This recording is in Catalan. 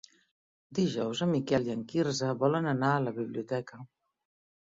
Dijous en Miquel i en Quirze volen anar a la biblioteca.